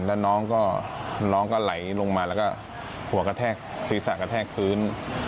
แล้วน้องก็น้องก็ไหลลงมาแล้วก็หัวกระแทกศีรษะกระแทกพื้น